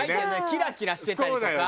キラキラしてたりとか。